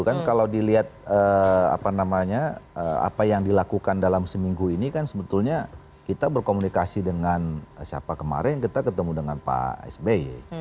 kan kalau dilihat apa namanya apa yang dilakukan dalam seminggu ini kan sebetulnya kita berkomunikasi dengan siapa kemarin kita ketemu dengan pak sby